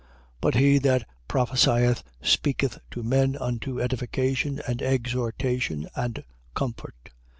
But he that prophesieth speaketh to men unto edification and exhortation and comfort.